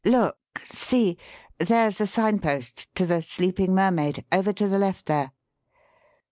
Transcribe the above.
"Look! see! There's the sign post 'To the Sleeping Mermaid' over to the left there."